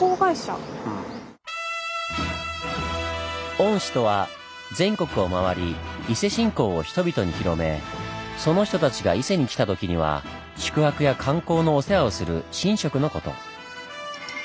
御師とは全国を回り伊勢信仰を人々に広めその人たちが伊勢に来た時には宿泊や観光のお世話をする神職のこと。